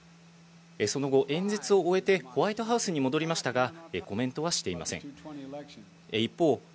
その後、演説を終えて、ホワイトハウスに戻りましたが、コメントはしていません。